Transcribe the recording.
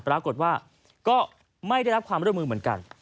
ปรากฏว่าก็ไม่ได้รับความร่วมมือเหมือนกัน